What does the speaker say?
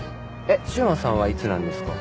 えっ柊磨さんはいつなんですか？